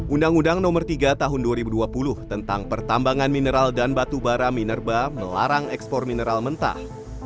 undang undang nomor tiga tahun dua ribu dua puluh tentang pertambangan mineral dan batu bara minerba melarang ekspor mineral mentah